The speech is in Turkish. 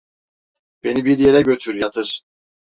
Beni bir yere götür yatır!